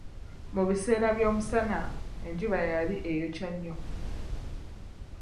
Mu biseera by'omusana, enjuba yali eyokya nnyo.